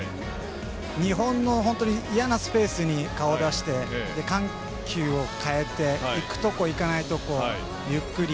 日本の嫌なスペースに顔を出して緩急を変えていくところいかないところゆっくり。